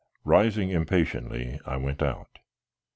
Rising impatiently, I went out.